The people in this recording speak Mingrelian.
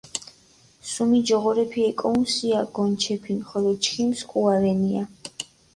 სუმი ჯოღორეფი ეკოჸუნსია გონჩეფინ, ხოლო ჩქიმ სქუა რენია.